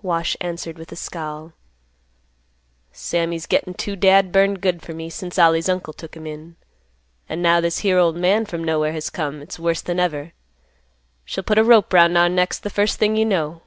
Wash answered with a scowl; "Sammy's gettin' too dad burned good fer me since Ollie's uncle took him in. An' now, this here old man from nowhere has come, it's worse than ever. She'll put a rope 'round our necks th' first thing you know."